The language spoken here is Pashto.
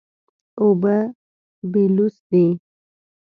اوبه بېلوث دي.